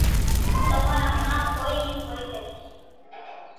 ھون تمو ني ھڻاوُ ڪو ايم ڪوئي ڪرو جي